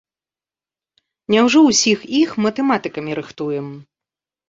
Няўжо ўсіх іх матэматыкамі рыхтуем?